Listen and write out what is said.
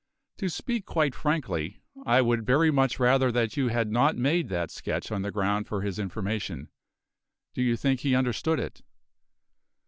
To speak quite frankly, I would very much rather that you had not made that sketch on the ground for his information. Do you think he understood it?"